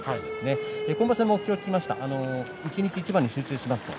今場所の目標を一日一番に集中しますと。